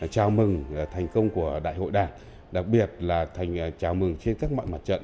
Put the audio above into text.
chào mừng thành công của đại hội đảng đặc biệt là thành chào mừng trên các mạng mặt trận